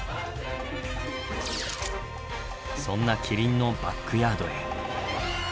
そんなキリンのバックヤードへ。